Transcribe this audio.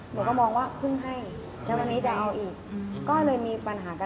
หนูก็มองว่าเพิ่งให้แล้ววันนี้จะเอาอีกก็เลยมีปัญหากัน